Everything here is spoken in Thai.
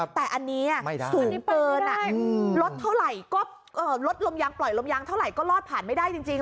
แต่อันนี้สูงเกินลดลมยางปล่อยลมยางเท่าไหร่ก็รอดผ่านไม่ได้จริง